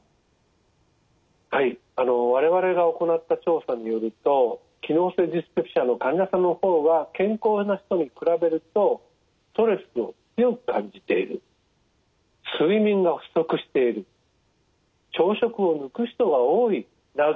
我々が行った調査によると機能性ディスペプシアの患者さんの方は健康な人に比べるとストレスを強く感じている睡眠が不足している朝食を抜く人が多いなどということが判明しました。